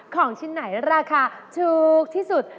ของชิ้นไหนราคาถูกที่สุด